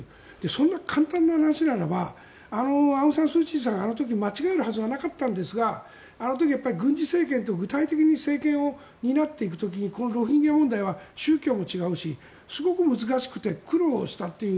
そんな簡単な話ならばあのアウンサンスーチーさんがあの時、間違えるはずがなかったんですあの時、軍事政権と具体的に政権を担っていく時にこのロヒンギャ問題は宗教も違うしすごく難しくて苦労したという。